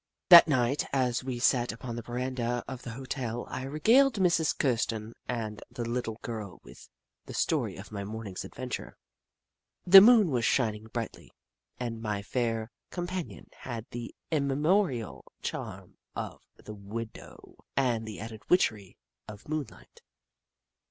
That night, as we sat upon the veranda of the hotel, I regaled Mrs. Kirsten and the little girl with the story of my morning's adventure. The moon was shining brightly, and my fair companion had the immemorial charm of the widow, with the added witchery of moonlight.